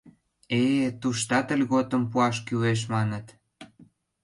Э... туштат льготым пуаш кӱлеш, маныт...